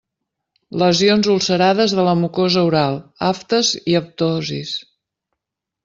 Lesiones ulcerades de la mucosa oral: aftes i aftosis.